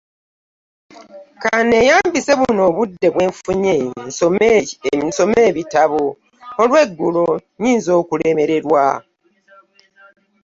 Kanneyambise buno obudde bwnfunye nsome ebitabo , olwegulo nyinza okulemererwa .